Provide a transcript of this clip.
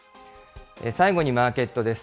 最後にマーケットです。